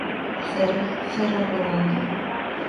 Cero, cero redondo.